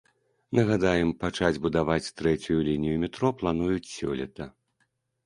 Нагадаем, пачаць будаваць трэцюю лінію метро плануюць сёлета.